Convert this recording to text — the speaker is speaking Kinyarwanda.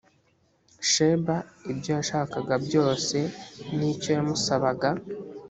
sheba ibyo yashakaga byose n icyo yamusabaga